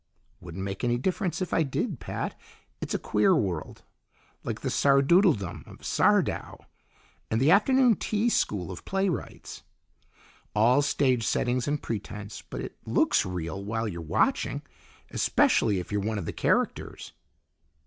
"Wouldn't make any difference if I did, Pat. It's a queer world, like the Sardoodledom of Sardou and the afternoon tea school of playwrights. All stage settings and pretense, but it looks real while you're watching, especially if you're one of the characters."